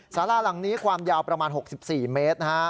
สาราหลังนี้ความยาวประมาณ๖๔เมตร